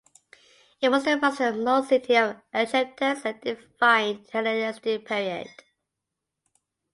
It was the westernmost city of Aegyptus as defined in the Hellenistic period.